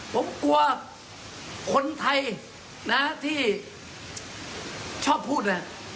ผมกลัวคนไทยที่ชอบพูดนะครับ